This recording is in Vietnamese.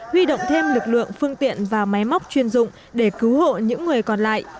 huy động thêm lực lượng phương tiện và máy móc chuyên dụng để cứu hộ những người còn lại